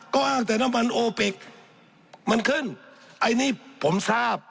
ก็อ้างแต่น้ำมันมันขึ้นไอ้นี่ผมทราบ